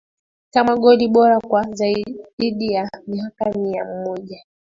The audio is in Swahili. Kama goli bora kwa Zaidi ya miaka mia moja